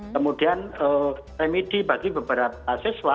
kemudian remedi bagi beberapa siswa